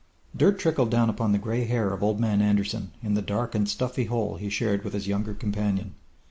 Dirt trickled down upon the gray hair of Old Man Anderson in the dark and stuffy hole he shared with his younger companion.